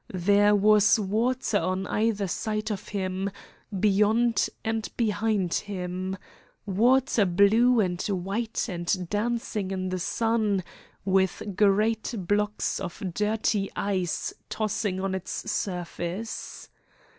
There was water on either side of him, beyond and behind him water blue and white and dancing in the sun, with great blocks of dirty ice tossing on its surface.